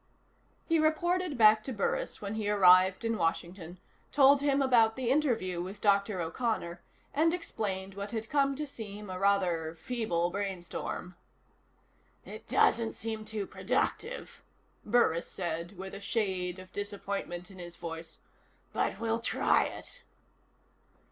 He reported back to Burris when he arrived in Washington, told him about the interview with Dr. O'Connor, and explained what had come to seem a rather feeble brainstorm. "It doesn't seem too productive," Burris said, with a shade of disappointment in his voice, "but we'll try it."